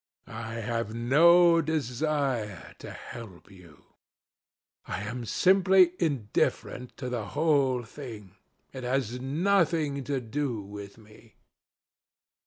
"I have no desire to help you. You forget that. I am simply indifferent to the whole thing. It has nothing to do with me."